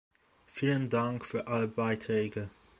Vielen Dank für alle Beiträge.